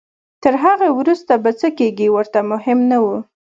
تر هغې وروسته به څه کېږي ورته مهم نه وو.